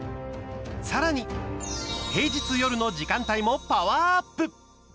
さらに平日、夜の時間帯もパワーアップ。